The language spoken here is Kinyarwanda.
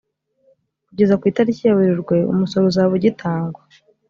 kugeza ku itariki ya werurwe umusoro uzaba ujyitangwa.